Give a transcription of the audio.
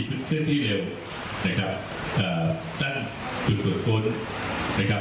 ชุดเคลื่อนที่เร็วนะครับอ่าสั้นสุดสดค้นนะครับ